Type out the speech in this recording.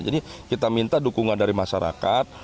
jadi kita minta dukungan dari masyarakat